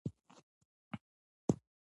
واک د مسوولانه چلند غوښتنه کوي.